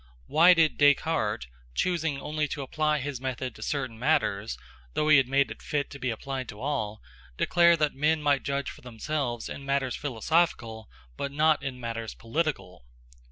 Why did Descartes, choosing only to apply his method to certain matters, though he had made it fit to be applied to all, declare that men might judge for themselves in matters philosophical but not in matters political?